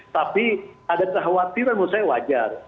tapi ada kekhawatiran menurut saya wajar